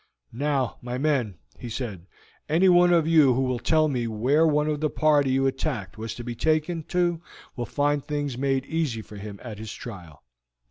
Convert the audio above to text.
"Now, my men," he said, "anyone of you who will tell me where one of the party you attacked was to be taken to will find things made easy for him at his trial."